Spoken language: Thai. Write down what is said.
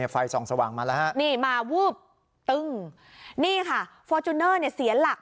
ไฟส่องสว่างมาแล้วฮะนี่มาวูบตึ้งนี่ค่ะฟอร์จูเนอร์เนี่ยเสียหลัก